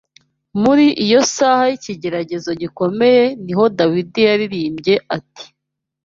Muri iyo saha y’ikigeragezo gikomeye ni ho Dawidi yaririmbye ati